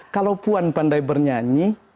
kalau puan pandai bernyanyi